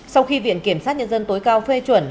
sau khi viện kiểm sát nhân dân tối cao phê chuẩn